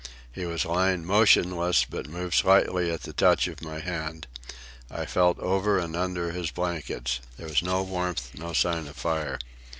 He was lying motionless, but moved slightly at the touch of my hand. I felt over and under his blankets. There was no warmth, no sign of fire.